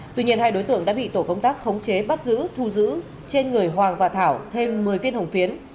tuy nhiên hai đối tượng đã bị tổ công tác khống chế bắt giữ thu giữ trên người hoàng và thảo thêm một mươi viên hồng phiến